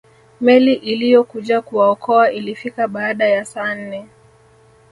Meli iliyokuja kuwaokoa ilifika baada ya saa nne